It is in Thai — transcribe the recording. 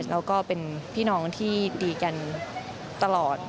แล้วก็เป็นพี่น้องที่ดีกันตลอด